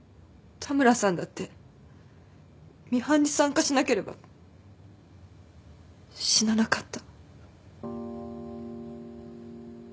田村さんだってミハンに参加しなければ死ななかった。